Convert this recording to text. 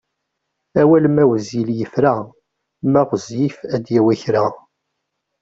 Awal ma wezzil yefra ma ɣezzif ad d-yawi kra.